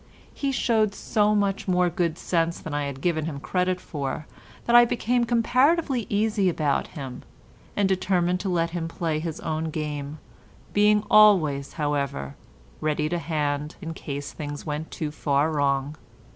He showed so much more good sense than I had given him credit for that I became comparatively easy about him, and determined to let him play his own game, being always, however, ready to hand in case things went too far wrong.